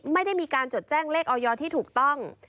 ไม่ได้มีการจดแจ้งเลขออยที่ถูกต้อง